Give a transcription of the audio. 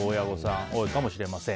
親も多いかもしれません。